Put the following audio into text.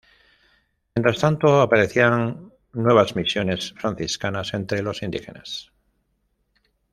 Mientras tanto aparecían nuevas misiones franciscanas entre los indígenas.